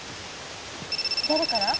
誰から？